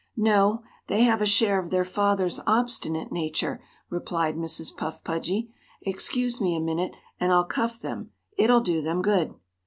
"No, they have a share of their father's obstinate nature," replied Mrs. Puff Pudgy. "Excuse me a minute and I'll cuff them; It'll do them good."